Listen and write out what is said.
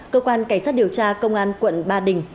cơ quan cảnh sát điều tra công an quận ba đình